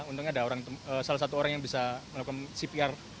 untungnya ada salah satu orang yang bisa melakukan cpr